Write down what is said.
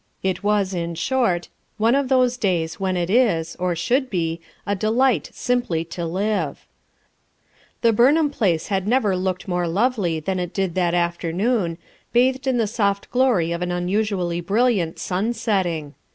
It was, in short, one of those days when it is, or should be, a delight simply to live. The Burnhani place had never looked more lovely than it did that afternoon, bathed in the soft glory of an unusually brilliant sun setting.